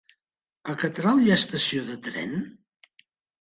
A Catral hi ha estació de tren?